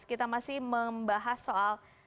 kita masih membahas soal